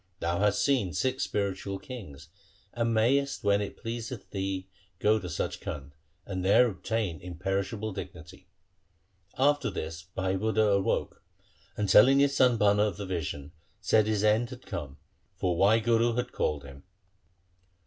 Thou hast seen six spiritual kings, and mayest when it pleaseth thee go to Sach Khand, and there obtain imperishable dignity.' After this Bhai Budha awoke, and telling his son Bhana of the vision, said his end had come, for Wahguru had called him.